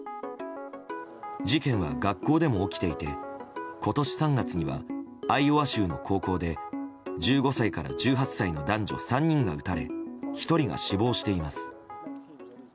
事件は学校でも起きていて今年３月にはアイオワ州の高校で１５歳から１８歳の男女３人が撃たれ１人が死亡しています。